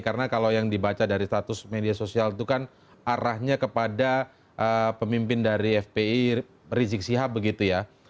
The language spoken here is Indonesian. karena kalau yang dibaca dari status media sosial itu kan arahnya kepada pemimpin dari fpi rizik sihab begitu ya